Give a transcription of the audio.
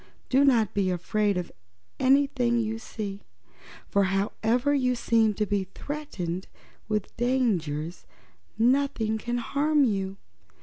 Do not be afraid of anything you see, for however you seem to be threatened with dangers, nothing can harm you.